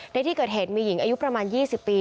ในที่เกิดเหตุมีหญิงอายุประมาณ๒๐ปี